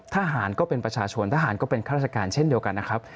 ทหารก็เป็นประชาชนทหารก็เป็นข้าราชการเช่นเดียวกันนะครับ